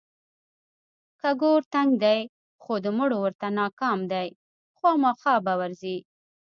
که ګور تنګ دی خو د مړو ورته ناکام دی، خوامخا به ورځي.